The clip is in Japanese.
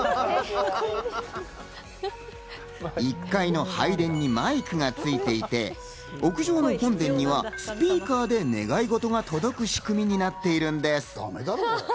１階の拝殿にマイクがついていて、屋上の本殿にはスピーカーで願い事が届く仕組みになっているんです。